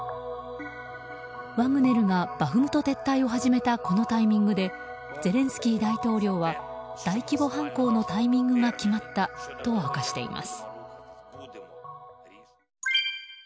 ワグネルがバフムト撤退を始めたこのタイミングでゼレンスキー大統領は大規模反抗のタイミングが決まったと明かしています。